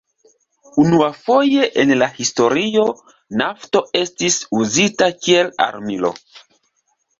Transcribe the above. Unuafoje en la historio nafto estis uzita kiel armilo.